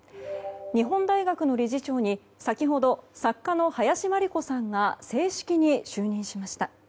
日本大学の理事長に先ほど、作家の林真理子さんが正式に就任しました。